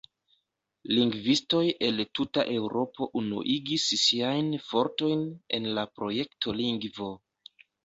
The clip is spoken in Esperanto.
Lingvistoj el tuta Eŭropo unuigis siajn fortojn en la projekto lingvo.